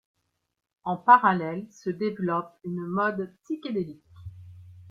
En parallèle se développe une mode psychédélique.